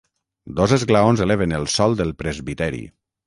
Dos esglaons eleven el sòl del presbiteri.